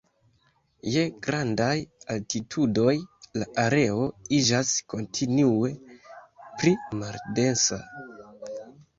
Je grandaj altitudoj la aero iĝas kontinue pli maldensa.